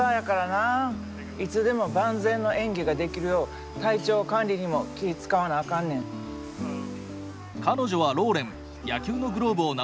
いつでも万全の演技ができるよう体調管理にも気ぃ遣わなあかんねん。